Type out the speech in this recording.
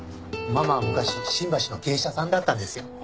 ママは昔新橋の芸者さんだったんですよ。